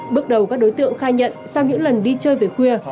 bước đầu các đối tượng khai nhận sau những lần đi chơi về khuya